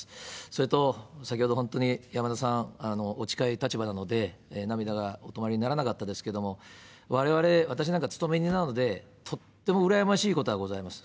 それと、先ほど本当に山田さん、お近い立場なので、涙がお止まりにならなかったですけれども、われわれ、私なんか勤め人なんで、とっても羨ましいことがございます。